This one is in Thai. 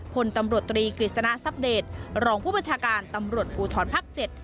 ผลตำรวจตรีกฤษณสับเดตรองผู้ประชาการตำรวจภูทรภักดิ์เจ็ด